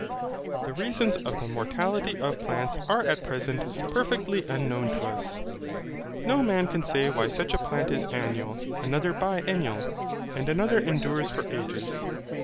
The reasons of the mortality of plants are at present perfectly unknown to us. No man can say why such a plant is annual, another biennial, and another endures for ages.